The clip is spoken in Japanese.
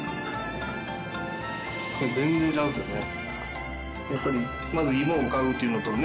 全然違うんですよね。